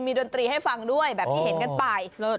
ดนตรีให้ฟังด้วยแบบที่เห็นกันไป